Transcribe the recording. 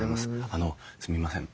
あのすみません。